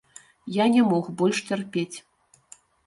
Я не мог больш цярпець.